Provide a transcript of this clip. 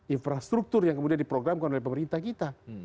infrastruktur yang kemudian diprogramkan oleh pemerintah kita